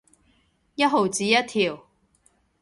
一毫子一條